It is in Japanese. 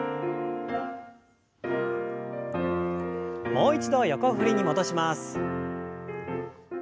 もう一度横振りに戻します。